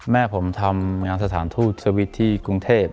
แม่ผมทำงานสถานทูตสวิตช์ที่กรุงเทพ